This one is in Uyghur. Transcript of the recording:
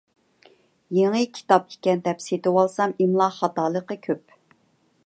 يېڭى كىتاب ئىكەن دەپ سېتىۋالسام ئىملا خاتالىقى كۆپ.